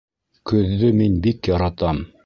Көҙҙө мин бик яратам